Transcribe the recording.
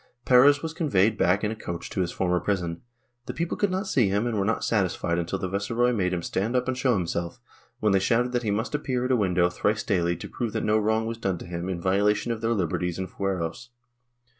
Perez was conveyed back in a coach to his former prison; the people could not see him and were not satisfied until the viceroy made him stand up and show himself, when they shouted that he must appear at a window thrice daily to prove that no wrong was done him in violation of their liberties and fueros.